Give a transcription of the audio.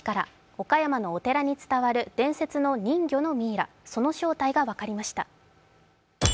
岡山のお寺に伝わる伝説の人魚のミイラ、その正体が分かりました。